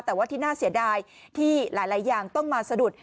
แต่ว่าที่น่าเสียดายที่หลายอย่างต้องมาสะดุด